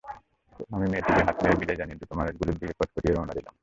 আমি মেয়েটাকে হাত নেড়ে বিদায় জানিয়ে দ্রুত মানুষগুলোর দিকে খটখটিয়ে রওনা দিলাম।